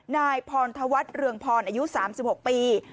นายพรธวัฒน์เรืองพรอายุ๓๖ปี